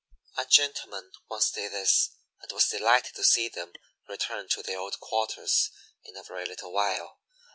A gentleman once did this and was delighted to see them return to their old quarters in a very little while.